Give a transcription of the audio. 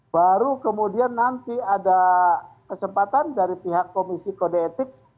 baru kemudian nanti ada kesempatan dari pihak komisi kode etik